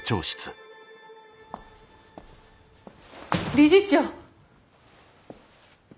理事長。